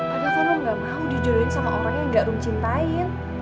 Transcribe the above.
adakah lo gak mau di jodohin sama orang yang gak rum cintain